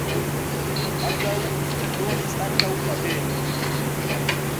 Baldaŭ li eldonis ankaŭ fabelojn.